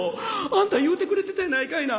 あんた言うてくれてたやないかいな。